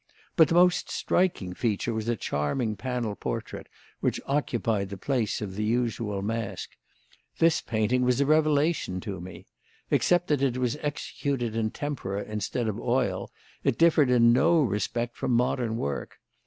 But the most striking feature was a charming panel portrait which occupied the place of the usual mask. This painting was a revelation to me. Except that it was executed in tempera instead of oil, it differed in no respect from modern work.